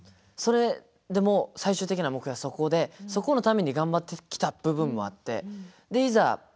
それでも最終的な目標はそこでそこのために頑張ってきた部分もあっていざ